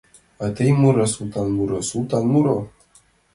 — А тый муро, Султан— Муро, Султан, муро!